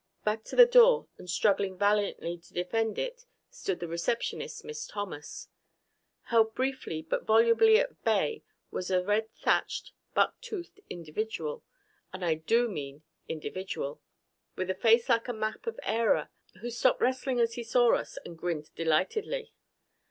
Back to the door and struggling valiantly to defend it stood the receptionist, Miss Thomas. Held briefly but volubly at bay was a red thatched, buck toothed individual and I do mean individual! with a face like the map of Eire, who stopped wrestling as he saw us, and grinned delightedly.